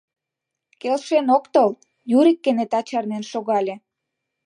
— Келшен ок тол, — Юрик кенета чарнен шогале.